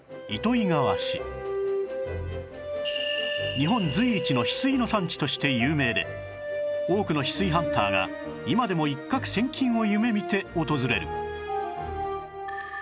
日本随一のヒスイの産地として有名で多くのヒスイハンターが今でも一獲千金を夢見て訪れる